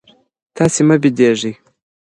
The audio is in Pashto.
تاسي مه بېدېږئ.